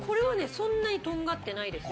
そんなにとんがってないですよ。